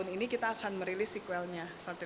dan akan khan dily frances